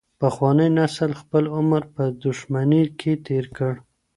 پخواني نسل خپل عمر په دښمنۍ کې تیر کړ.